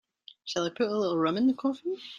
Shall I put a little rum in the coffee?